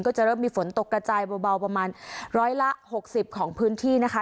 จะเริ่มมีฝนตกกระจายเบาประมาณร้อยละ๖๐ของพื้นที่นะคะ